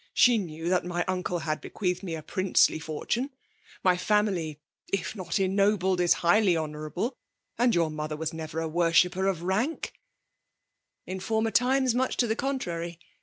*' She knew that my uncle had bequeathed me a princely fortune; my family, if not ennobled, IB highly honourable; and your mother was never a worshipper of rank." i98 FKMALB t>0MINAT4OI«« ^ In former times, much the contrary.